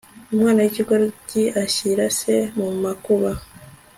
umwana w'ikigoryi ashyira se mu makuba